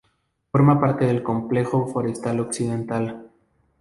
Forma parte del Complejo forestal occidental.